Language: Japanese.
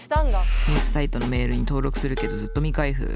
ニュースサイトのメールに登録するけどずっと未開封。